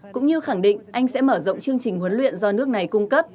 cũng như khẳng định anh sẽ mở rộng chương trình huấn luyện do nước này cung cấp